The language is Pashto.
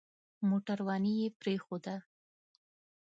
موټرواني يې پرېښوده.